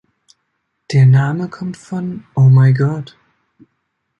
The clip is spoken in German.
Der Name kommt von „Oh my God“.